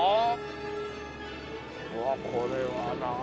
うわこれはなあ。